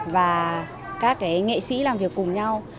và các nghệ sĩ làm việc cùng nhau